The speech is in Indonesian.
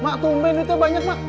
mak tumben itu banyak mak